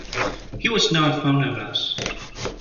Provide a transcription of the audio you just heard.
He was not fond of us.